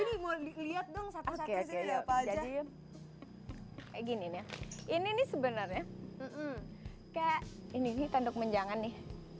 lihat dong oke jadi begini ini sebenarnya kayak ini tanduk menjangan nih